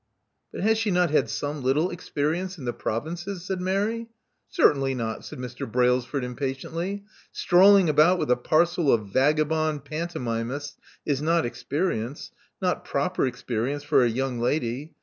But has she not had some little experience in the provinces?" said Mary. Certainly not," said Mr. Brailsford impatiently. Strolling about with a parcel. of vagabond panto mimists is not experience — not proper experience for a young lady.